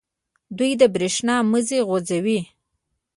دوی د بریښنا مزي غځوي.